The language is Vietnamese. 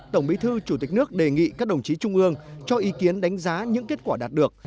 tổng bí thư chủ tịch nước đề nghị các đồng chí trung ương cho ý kiến đánh giá những kết quả đạt được